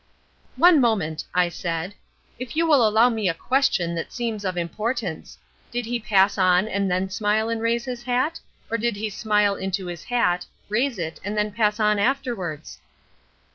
"One moment," I said, "if you will allow me a question that seems of importance—did he pass on and then smile and raise his hat, or did he smile into his hat, raise it, and then pass on afterwards?"